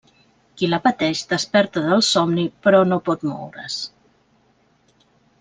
Qui la pateix, desperta del somni però no pot moure's.